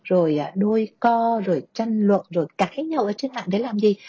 rồi đôi co rồi tranh luận rồi cãi nhau ở trên mạng để làm gì